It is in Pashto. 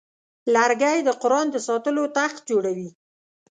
لرګی د قرآن د ساتلو تخت جوړوي.